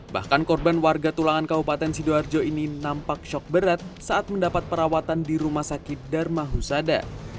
bahkan korban warga tulangan kabupaten sidoarjo ini nampak shock berat saat mendapat perawatan di rumah sakit dharma husada